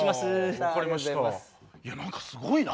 何かすごいな。